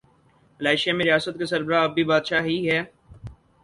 Malaysia میں ریاست کا سربراہ اب بھی بادشاہ ہی ہے۔